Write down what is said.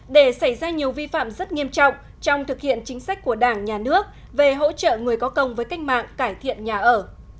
để xảy ra nhiều vi phạm rất nghiêm trọng trong thực hiện chính sách của đảng nhà nước về hỗ trợ người có công với cách mạng cải thiện nhà ở